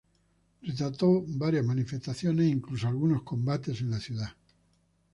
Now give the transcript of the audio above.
Retrató varias manifestaciones e incluso algunos combates en la ciudad.